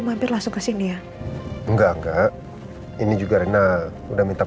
kamu mesti tenang kamu mesti kuat al